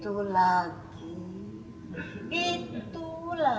itu lagi itu lagi